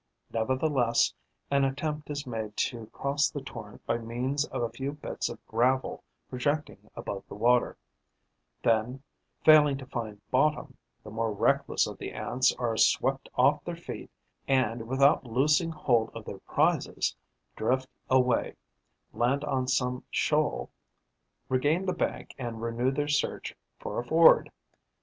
Nevertheless, an attempt is made to cross the torrent by means of a few bits of gravel projecting above the water; then, failing to find bottom, the more reckless of the Ants are swept off their feet and, without loosing hold of their prizes, drift away, land on some shoal, regain the bank and renew their search for a ford.